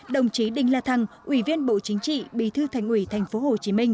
đồng chí đinh la thăng ủy viên bộ chính trị bí thư thành ủy tp hcm